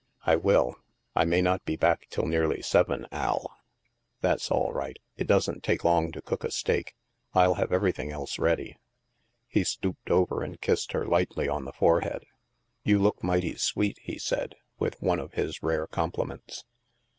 " I will. I may not be back till nearly seven, Al." " That's all right. It doesn't take long to cook a steak. I'll have everything else ready." He stooped over and kissed her lightly on the forehead. " You look mighty sweet," he said, with one of his rare compliments.